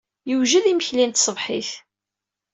Yewjed yimekli n tṣebḥit.